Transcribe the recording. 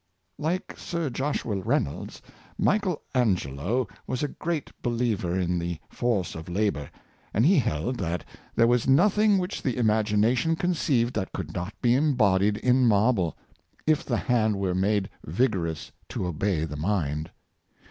Like Sir Joshua Reynolds, Michael Angelo was a great believer in the force of labor; and he held that Michael Afigelo — Titian, 33 o there was nothing which the imagination conceived that could not be embodied in marble, if the hand were made vigorously to obey the mind.